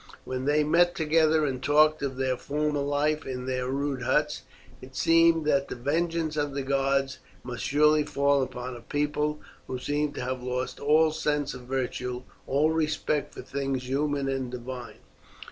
When they met together and talked of their former life in their rude huts, it seemed that the vengeance of the gods must surely fall upon a people who seemed to have lost all sense of virtue, all respect for things human and divine.